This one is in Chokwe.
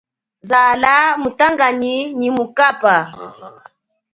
Zala mutanganyi nyi mukaba.